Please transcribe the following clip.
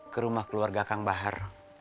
ke rumah keluarga kang bahar